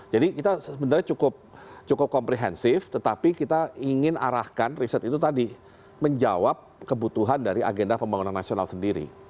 kita sebenarnya cukup komprehensif tetapi kita ingin arahkan riset itu tadi menjawab kebutuhan dari agenda pembangunan nasional sendiri